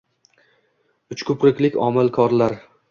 Uchko‘priklik omilkorlar